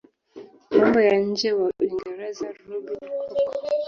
mambo ya nje wa Uingereza Robin cook